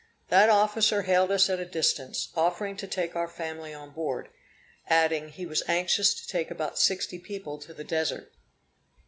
That officer hailed us at a distance, offering to take our family on board, adding, he was anxious to take about sixty people to the Desert.